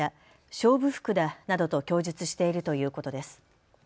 勝負服だなどと供述しているということです。